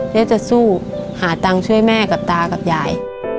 แล้วจะสู้หาตังค์ช่วยแม่กับตากับยาย